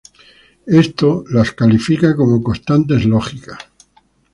Esto las califica como "constantes lógicas".